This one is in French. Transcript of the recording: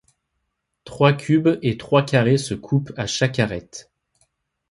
Trois cubes et trois carrés se coupent à chaque arête.